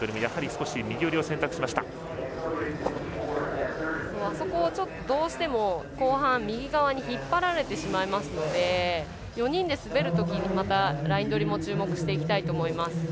あそこ、どうしても後半、右側に引っ張られてしまいますので４人で滑るときのライン取りも注目していきたいと思います。